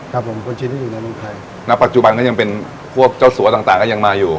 ครับผมคนจีนที่อยู่ในเมืองไทยณปัจจุบันก็ยังเป็นพวกเจ้าสัวต่างต่างก็ยังมาอยู่